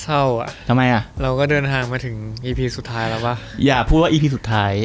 อ่ะทำไมอ่ะเราก็เดินทางมาถึงอีพีสุดท้ายแล้วว่าอย่าพูดว่าอีพีสุดท้าย